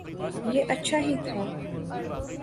یہ اچھا ہی تھا۔